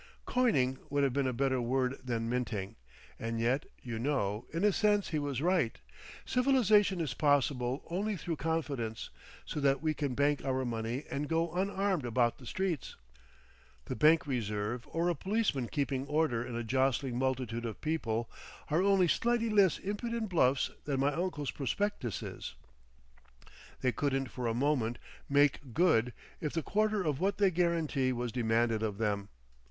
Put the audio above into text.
"Coining" would have been a better word than minting! And yet, you know, in a sense he was right. Civilisation is possible only through confidence, so that we can bank our money and go unarmed about the streets. The bank reserve or a policeman keeping order in a jostling multitude of people, are only slightly less impudent bluffs than my uncle's prospectuses. They couldn't for a moment "make good" if the quarter of what they guarantee was demanded of them.